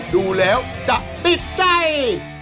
ดูแล้วจะติดใจ